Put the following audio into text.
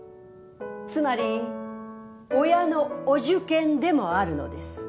つまり親のお受験でもあるのです。